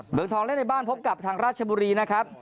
เมืองทองเล่นในบ้านพบกับทางราชบุรีนะครับ